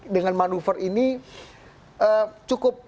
dengan manuver ini cukup